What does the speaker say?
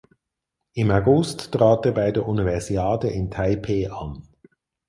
Im August trat er bei der Universiade in Taipeh an.